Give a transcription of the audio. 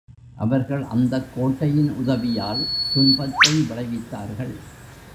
அவர்கள் அந்தக் கோட்டையின் உதவியால் துன்பத்தை விளைவித்தார்கள்.